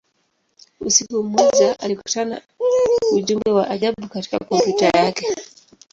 Usiku mmoja, alikutana ujumbe wa ajabu katika kompyuta yake.